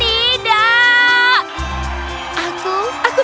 tidak aku berhasil